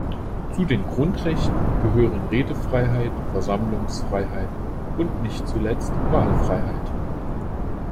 Zu den Grundrechten gehören Redefreiheit, Versammlungsfreiheit und nicht zuletzt Wahlfreiheit.